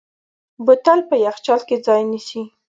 بوتل په یخچال کې ځای نیسي.